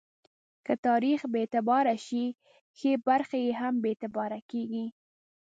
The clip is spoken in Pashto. که تاریخ بې اعتباره شي، ښې برخې یې هم بې اعتباره کېږي.